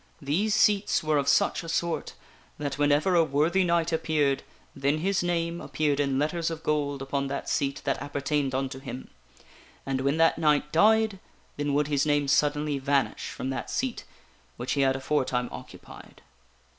These seats were of such a sort, that whenever a worthy knight appeared, then his name appeared in letters of gold upon that seat that appertained unto him ; and when that knight died, then would his name suddenly vanish from that seat which he had aforetime occupied.